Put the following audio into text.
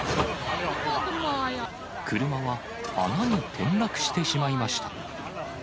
車は穴に転落してしまいました。